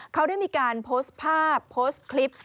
เขาได้มีการโพสต์ภาพโพสต์คลิป